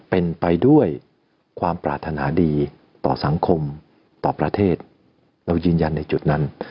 เป็นไปด้วยความปรารถนาดีต่อสังคมต่อประเทศเรายืนยันในจุดนั้น